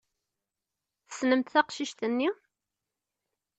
Tessnemt taqcict-nni?